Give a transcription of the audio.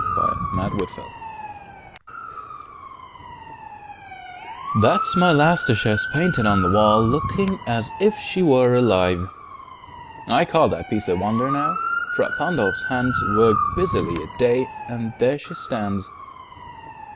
MY LAST DUCHESS Ferrara That's my last Duchess painted on the wall, Looking as if she were alive. I call That piece a wonder, now: Fra Pandolf's hands Worked busily a day, and there she stands.